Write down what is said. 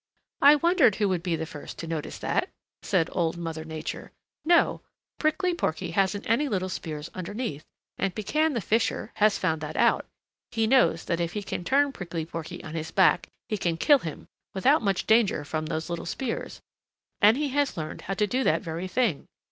"I wondered who would be the first to notice that," said Old Mother Nature. "No, Prickly Porky hasn't any little spears underneath, and Pekan the Fisher has found that out. He knows that if he can turn Prickly Porky on his back he can kill him without much danger from those little spears, and he has learned how to do that very thing.